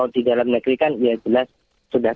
di dalam negeri kan ya jelas sudah